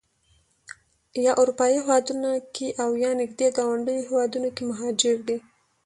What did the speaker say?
یا اروپایي هېوادونو کې او یا نږدې ګاونډیو هېوادونو کې مهاجر دي.